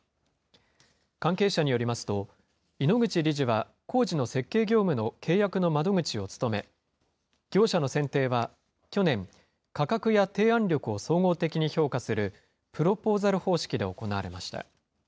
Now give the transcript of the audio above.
関係者によりますと、井ノ口理事は工事の設計業務の契約の窓口を務め、業者の選定は去年、価格や提案力を総合的に評価するプロポーザル方式で行われました。